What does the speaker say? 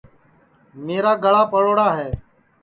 میرا گݪا پڑوڑا ہے